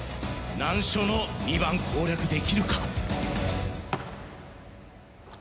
難所の２番攻略できるか？